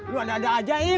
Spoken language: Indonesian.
lu ada ada ajaem